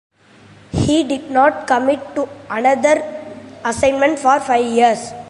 He did not commit to another assignment for five years.